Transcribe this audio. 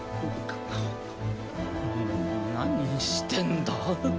何してんだ？